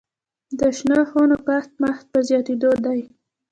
د شنو خونو کښت مخ په زیاتیدو دی